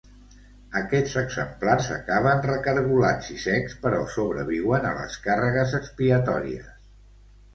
Aquests exemplars acaben recaragolats i secs, però sobreviuen a les càrregues expiatòries.